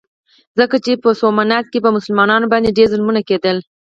ځکه چې په سومنات کې په مسلمانانو باندې ډېر ظلمونه کېدل.